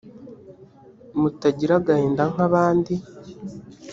mutagira agahinda nk abandi